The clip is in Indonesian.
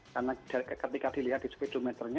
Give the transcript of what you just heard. karena ketika dilihat di speedometer